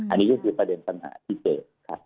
อันนี้ก็คือประเด็นสน่าที่เจ็บ